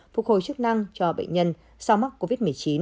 phục hồi chức năng cho bệnh nhân sau mắc covid một mươi chín